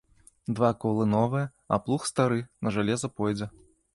Два колы новыя, а плуг стары, на жалеза пойдзе.